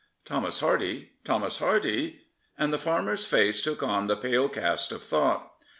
''Thomas Hardy! Thomas Hardy!'* and the farmer's face took on the pale cast of thought.